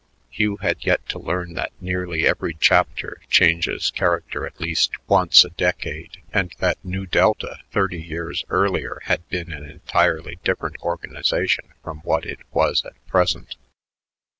Hugh had yet to learn that nearly every chapter changes character at least once a decade and that Nu Delta thirty years earlier had been an entirely different organization from what it was at present.